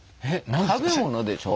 食べ物でしょ。